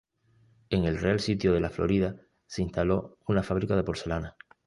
En el Real Sitio de La Florida se instaló una fábrica de porcelana.